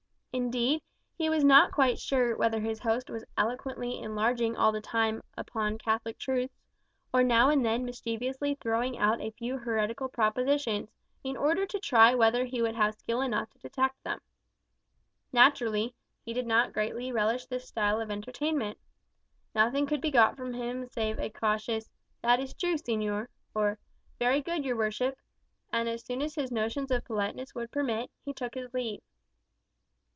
Indeed, he was not quite sure whether his host was eloquently enlarging all the time upon Catholic truths, or now and then mischievously throwing out a few heretical propositions, in order to try whether he would have skill enough to detect them. Naturally, he did not greatly relish this style of entertainment. Nothing could be got from him save a cautious, "That is true, señor," or, "Very good, your worship;" and as soon as his notions of politeness would permit, he took his leave.